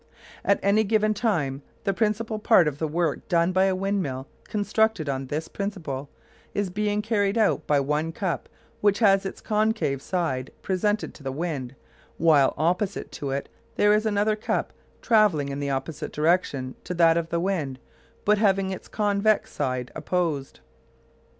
At any given time the principal part of the work done by a windmill constructed on this principle is being carried out by one cup which has its concave side presented to the wind, while, opposite to it, there is another cup travelling in the opposite direction to that of the wind but having its convex side opposed.